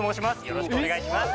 よろしくお願いします